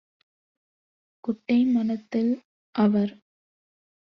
குட்டை மனத்தாலே - அவர்